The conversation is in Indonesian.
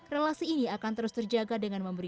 relasi ini akan terus terjaga dengan memberi